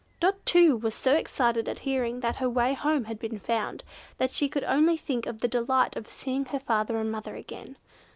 Dot, too, was so excited at hearing that her way home had been found, that she could only think of the delight of seeing her father and mother again.